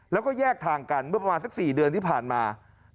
แล้วก็แยกทางกันเมื่อประมาณสัก๔เดือนที่ผ่านมา